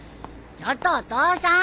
ちょっとお父さん。